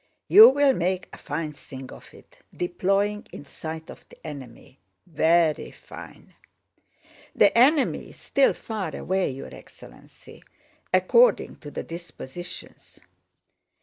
"You'll make a fine thing of it, deploying in sight of the enemy! Very fine!" "The enemy is still far away, your excellency. According to the dispositions..."